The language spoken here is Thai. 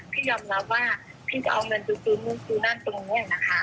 พี่ยอมรับว่าพี่จะเอาเงินติดเมื่อที่นั่นตรงนี้นะคะ